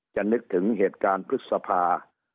นึกถึงเหตุการณ์พฤษภา